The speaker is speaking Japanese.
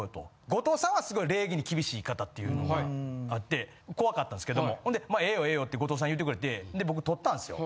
後藤さんはすごい礼儀に厳しい方っていうのがあって怖かったんですけどもほんでまあええよええよって後藤さん言うてくれてで僕取ったんですよ。